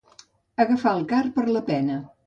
Agafar el car per la pena.